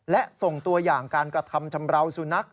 และส่งตัวอย่างการกระทำชำราวสุนัข